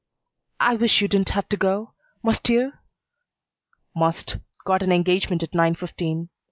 "I wish you didn't have to go. Must you?" "Must. Got an engagement at nine fifteen.